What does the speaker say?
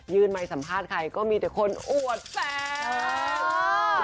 ไมค์สัมภาษณ์ใครก็มีแต่คนอวดแฟน